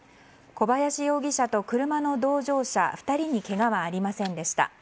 小林容疑者と車の同乗者２人にけがはありませんでした。